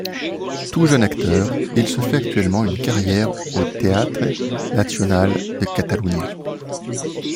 Tout jeune acteur, il se fait actuellement une carrière au Teatre Nacional de Catalunya.